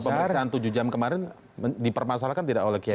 pemeriksaan tujuh jam kemarin dipermasalahkan tidak oleh kiai